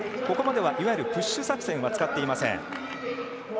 ここまではプッシュ作戦は使っていません。